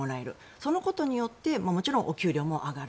そのことによってもちろんお給料も上がる。